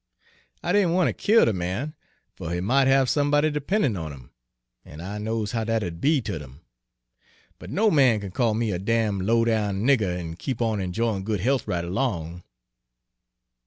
I didn' wan' ter kill de man, fer he might have somebody dependin' on 'im, an' I knows how dat'd be ter dem. But no man kin call me a damn' low down nigger and keep on enjoyin' good health right along."